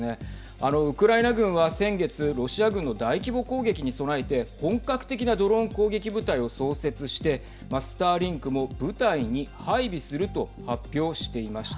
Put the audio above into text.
あの、ウクライナ軍は先月ロシア軍の大規模攻撃に備えて本格的なドローン攻撃部隊を創設してスターリンクも部隊に配備すると発表していました。